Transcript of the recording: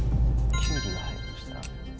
キュウリが入るとしたら。